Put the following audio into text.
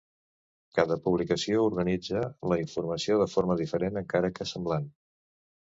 Cada publicació organitza la informació de forma diferent, encara que semblant.